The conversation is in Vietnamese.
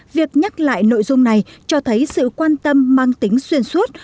việc nhắc lại nội dung này cho thấy sự quan tâm mang tính xuyên suốt